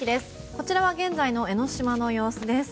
こちらは現在の江の島の様子です。